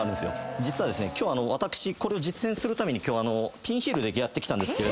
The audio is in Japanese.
実は今日私これを実演するためにピンヒールでやって来たんですけれども。